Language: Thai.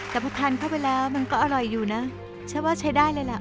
แต่พอทานเข้าไปแล้วมันก็อร่อยอยู่นะฉันว่าใช้ได้เลยแหละ